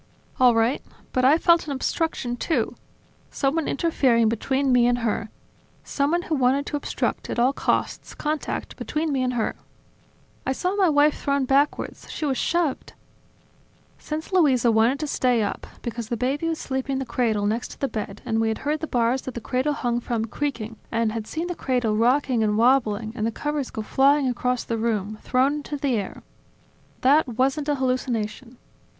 "All right ... But I felt an obstruction too, someone interfering between me and her, someone who wanted to obstruct, at all costs, contact between me and her ... I saw my wife thrown backwards, she was shoved ... Since Luisa wanted to stay up, because the baby was sleeping in the cradle next to the bed, and we had heard the bars that the cradle hung from creaking, and had seen the cradle rocking and wobbling, and the covers go flying across the room, thrown into the air ... That wasn't a hallucination.